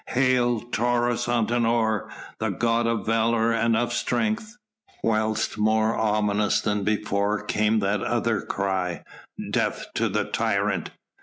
"Hail Taurus Antinor! the god of valour and of strength!" Whilst more ominous than before came that other cry: "Death to the tyrant!